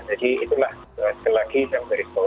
jadi itulah sekali lagi yang saya periksa